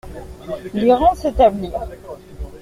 Les rangs s'établirent.